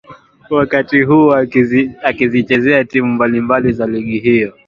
wakati huo akizichezea timu mbalimbali za ligi hiyo